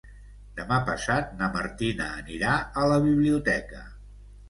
Demà passat na Martina anirà a la biblioteca.